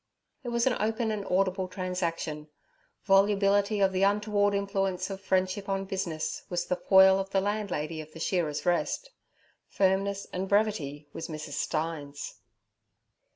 It was an open and audible transaction; volubility of the untoward influence of friendship on business, was the foil of the landlady of the Shearers' Rest; firmness and brevity was Mrs. Stein's.